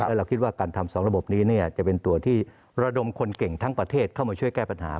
แล้วเราคิดว่าการทำ๒ระบบนี้จะเป็นตัวที่ระดมคนเก่งทั้งประเทศเข้ามาช่วยแก้ปัญหา